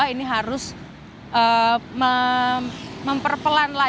ini harus memperpelan